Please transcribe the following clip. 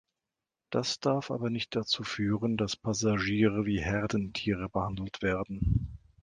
Das darf aber nicht dazu führen, dass Passagiere wie Herdentiere behandelt werden.